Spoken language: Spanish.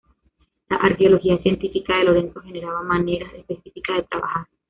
La arqueología científica de Lorenzo generaba maneras específicas de trabajar.